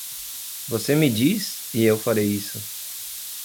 Você me diz? e eu farei isso.